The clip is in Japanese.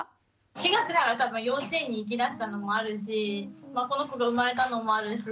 ４月から多分幼稚園に行きだしたのもあるしこの子が生まれたのもあるし